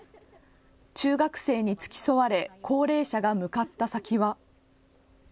中学生に付き添われ高齢者が向かった先は。